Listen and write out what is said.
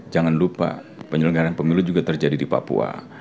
jangan lupa penyelenggaran pemilu juga terjadi di papua